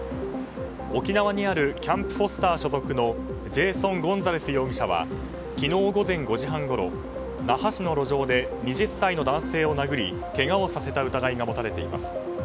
沖縄にあるキャンプ・フォスター所属のジェーソン・ゴンザレス容疑者は昨日午前５時半ごろ那覇市の路上で２０歳の男性を殴りけがをさせた疑いが持たれています。